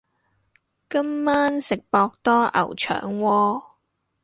今晚食博多牛腸鍋